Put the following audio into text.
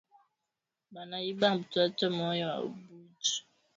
Banaiba mtoto moya wa mbuji